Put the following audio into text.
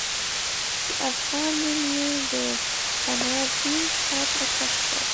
د افغان نوم يې د تنازعې خواته کش کړ.